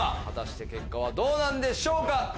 果たして結果はどうなんでしょうか？